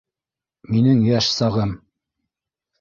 Минең йәш сағым.